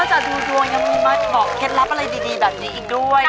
จากดูดวงยังมีมาบอกเคล็ดลับอะไรดีแบบนี้อีกด้วย